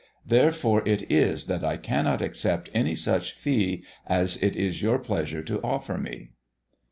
Therefore it is that I cannot accept any such fee as it is your pleasure to offer me."